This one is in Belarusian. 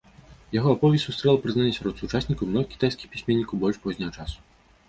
Яго аповесць сустрэла прызнанне сярод сучаснікаў і многіх кітайскіх пісьменнікаў больш позняга часу.